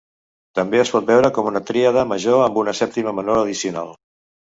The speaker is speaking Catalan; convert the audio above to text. També es pot veure com una tríada major amb una sèptima menor addicional.